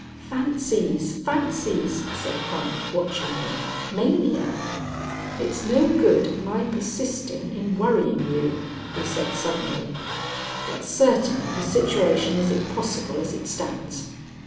"Fancies, fancies," said Crump, watching him, "mania." "It's no good my persisting in worrying you," he said suddenly, "but certainly the situation is impossible as it stands."